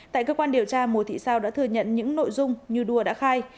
tại cơ quan điều tra mùa thị sao đã thừa nhận những nội dung như đua đã khai